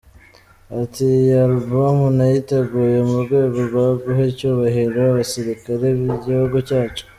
Ati :”Iyi album nayiteguye mu rwego rwo guha icyubahiro abasirikare b’igihugu cyacu.